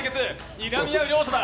にらみ合う三者だ。